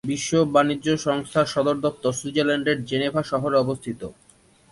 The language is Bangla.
বিশ্ব বাণিজ্য সংস্থার সদর দপ্তর সুইজারল্যান্ডের জেনেভা শহরে অবস্থিত।